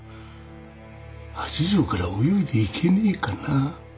八丈から泳いで行けねえかな？